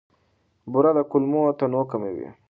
بوره د کولمو تنوع کموي.